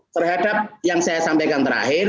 terhadap yang saya sampaikan terakhir